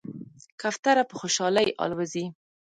کوتره په خوشحالۍ الوزي.